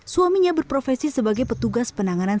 suaminya berprofesi sebagai petugas penanganan